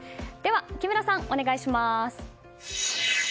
木村さん、お願いします。